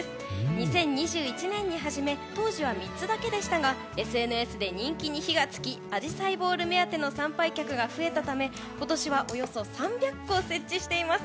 ２０２１年に始め当時は３つだけでしたがＳＮＳで人気に火が付きアジサイボール目当ての参拝客が増えたため今年は、およそ３００個設置しています。